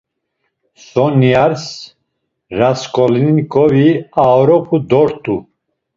Sonyas Rasǩolnikovi aoropu dort̆u.